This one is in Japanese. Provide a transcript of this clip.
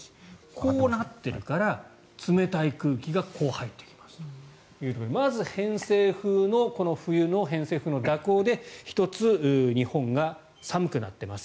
こうなっているから冷たい空気がこう入ってきますということでまず冬の偏西風の蛇行で１つ、日本が寒くなっています